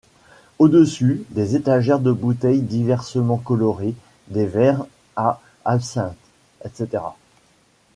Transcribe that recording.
Au-dessus, des étagères de bouteilles diversement colorées, des verres à absinthe, etc.